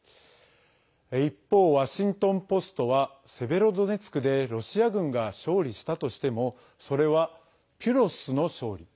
一方、ワシントン・ポストはセベロドネツクでロシア軍が勝利したとしてもそれは、ピュロスの勝利。